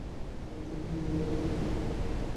আমি নিজেকে হিন্দু বলিয়া পরিচয় দিতে গর্ব অনুভব করিয়া থাকি।